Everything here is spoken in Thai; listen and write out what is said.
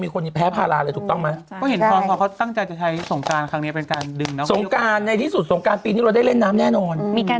มีการจัดงานแต่ว่าอาจจะมีแบบสงการเราได้เล่นน้ำแน่นอน